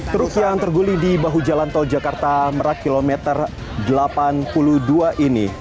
truk yang terguling di bahu jalan tol jakarta merak kilometer delapan puluh dua ini